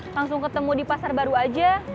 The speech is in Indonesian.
langsung ketemu di pasar baru aja